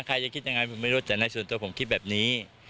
ใครจะคิดยังไงผมไม่รู้แต่ในส่วนตัวผมคิดแบบนี้